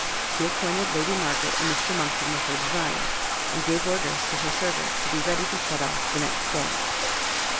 She acquainted Lady Margaret and Mr Monckton with her design, and gave orders to her servants to be ready to set off the next day.